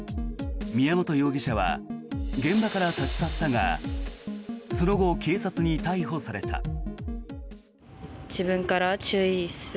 宮本容疑者は現場から立ち去ったがその後、警察に逮捕された。